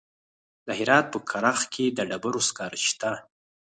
د هرات په کرخ کې د ډبرو سکاره شته.